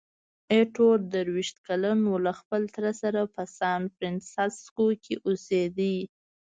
ایټور درویشت کلن وو، له خپل تره سره په سانفرانسیسکو کې اوسېده.